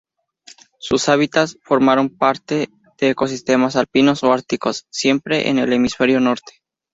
Sus hábitats forman parte de ecosistemas alpinos o árticos, siempre en el Hemisferio Norte.